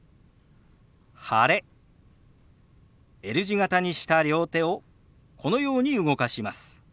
Ｌ字形にした両手をこのように動かします。